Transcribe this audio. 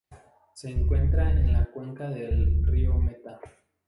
Se encuentran en la cuenca del río Meta.